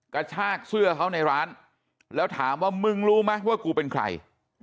กระชากเสื้อเขาในร้านแล้วถามว่ามึงรู้ไหมว่ากูเป็นใคร